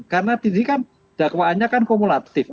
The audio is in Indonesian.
karena ini kan dakwaannya kan kumulatif